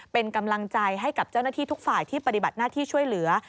เป็นกำลังใจให้กับเจ้าหน้าที่ทุกฝ่ายที่ปฏิบัติหน้าที่ช่วยเหลือ